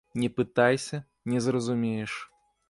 Не пытайся, не зразумееш.